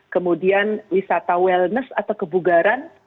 kemudian wisata wellness atau kebugaran